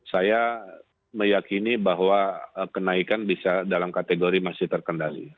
saya meyakini bahwa kenaikan bisa dalam kategori masih terkendali